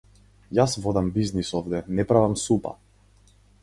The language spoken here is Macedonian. Јас водам бизнис овде не правам супа.